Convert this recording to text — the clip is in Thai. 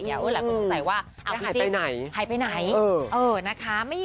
เออแหละผมสงสัยว่าหายไปไหนเออนะคะ